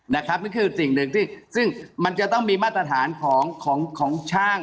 นั่นคือสิ่งหนึ่งที่ซึ่งมันจะต้องมีมาตรฐานของของช่าง